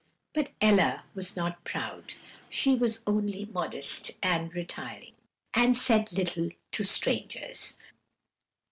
But Ella was not proud; she was only modest and retiring, and said little to strangers.